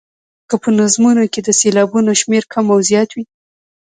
که په نظمونو کې د سېلابونو شمېر کم او زیات وي.